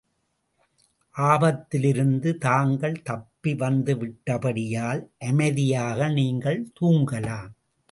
ஆபத்திலிருந்து தாங்கள் தப்பி வந்துவிட்டபடியால், அமைதியாக நீங்கள் தூங்கலாம்.